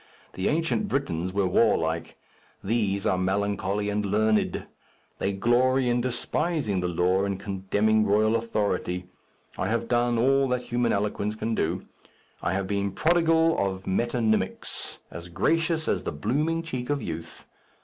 The ancient Britons were warlike; these are melancholy and learned. They glory in despising the laws and contemning royal authority. I have done all that human eloquence can do. I have been prodigal of metonymics, as gracious as the blooming cheek of youth.